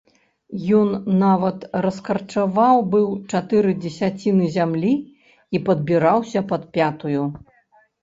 Ён нават раскарчаваў быў чатыры дзесяціны зямлі і падбіраўся пад пятую.